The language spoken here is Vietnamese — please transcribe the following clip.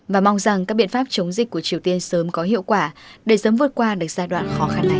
và mong rằng các biện pháp chống dịch của triều tiên sớm có hiệu quả để sớm vượt qua được giai đoạn khó khăn này